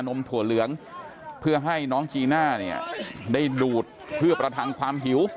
มถั่วเหลืองเพื่อให้น้องจีน่าเนี่ยได้ดูดเพื่อประทังความหิว